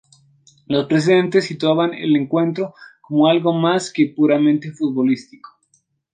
Los precedentes situaban el encuentro como algo más que lo puramente futbolístico.